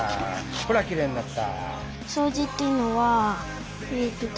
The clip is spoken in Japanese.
ほらきれいになった。